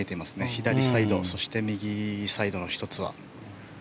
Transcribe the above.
左サイドそして右サイドの１つは。